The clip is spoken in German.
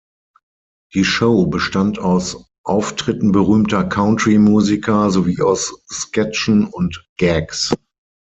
Die Show bestand aus Auftritten berühmter Country-Musiker sowie aus Sketchen und Gags.